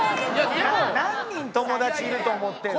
何人友達いると思ってるんですか。